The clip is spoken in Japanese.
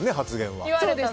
発言は。